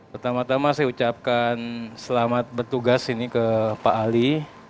pertama tama saya ucapkan selamat bertugas ini ke pak ali